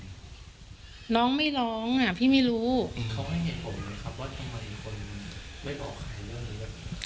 เขาไม่เห็นผมไหมครับว่าทำไมคนไม่รอขายเรื่องนี้